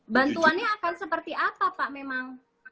bantuannya akan seperti apa pak memang